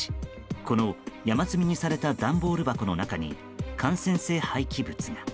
この山積みにされた段ボール箱の中に感染性廃棄物が。